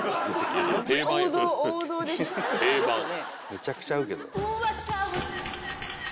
めちゃくちゃ合うけど。